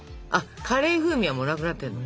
カレー風味はもうなくなってんの？